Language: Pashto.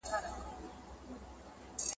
مسلمانان باید د پیغمبر لارښوونې ومني.